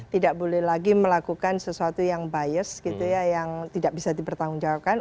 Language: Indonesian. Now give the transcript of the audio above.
tidak boleh lagi melakukan sesuatu yang bias gitu ya yang tidak bisa dipertanggungjawabkan